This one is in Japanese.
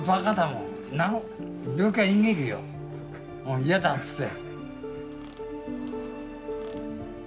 もう嫌だっつって。